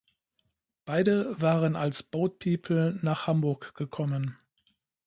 Beide waren als Boat People nach Hamburg gekommen.